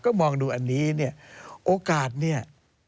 ก็มองดูอันนี้เนี่ยโอกาสเนี่ย